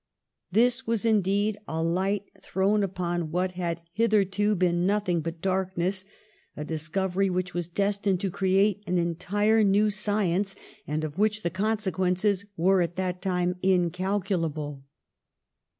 This was indeed a light thrown upon what had hitherto been nothing but darkness, a discovery w^hich was destined to create an entire new science and of which the consequences were at that time incalculable.